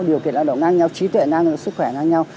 điều kiện lao động ngang nhau trí tuệ ngang nhau sức khỏe ngang nhau